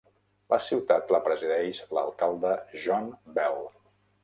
La ciutat la presideix l'alcalde John Bell.